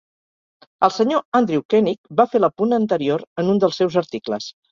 El Sr Andrew Koenig va fer l'apunt anterior en un dels seus articles.